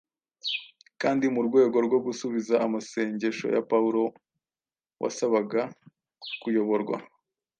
kandi mu rwego rwo gusubiza amasengesho ya Pawulo wasabaga kuyoborwa,